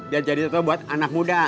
biar jadi teteu buat anak muda